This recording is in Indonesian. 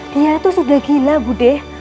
dia itu sudah gila bu deh